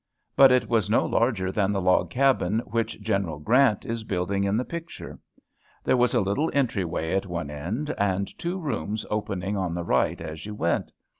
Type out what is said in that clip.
But it was no larger than the log cabin which General Grant is building in the picture. There was a little entry way at one end, and two rooms opening on the right as you went.